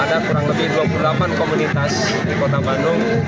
ada kurang lebih dua puluh delapan komunitas di kota bandung